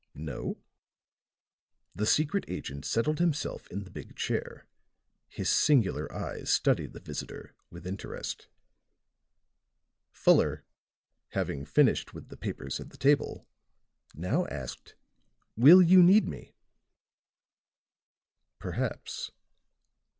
"No?" The secret agent settled himself in the big chair; his singular eyes studied the visitor with interest. Fuller having finished with the papers at the table now asked: "Will you need me?" "Perhaps."